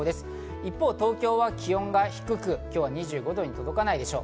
一方、東京は気温が低く、今日は２５度に届かないでしょう。